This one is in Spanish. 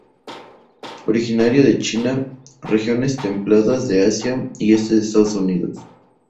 Es originario de China, regiones templadas de Asia y este de Estados Unidos.